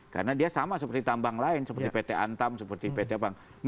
karena dia sama seperti tambang lain seperti pt antam seperti pt apang